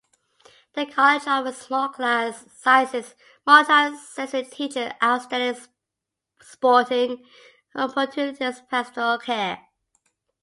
The College offers small class sizes, multi-sensory teaching, outstanding sporting opportunities and pastoral care.